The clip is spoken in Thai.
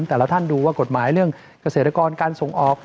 แต่ละท่านดูว่ากฎหมายเรื่องเกษตรกรการส่งออก